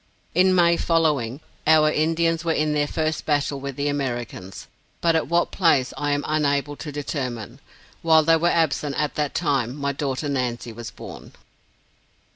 In May following, our Indians were in their first battle with the Americans; but at what place I am unable to determine. While they were absent at that time, my daughter Nancy was born.